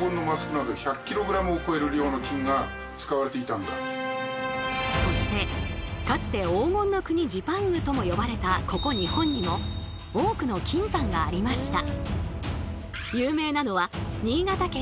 そんなではそもそも金はそしてかつて黄金の国ジパングとも呼ばれたここ日本にも多くの金山がありました。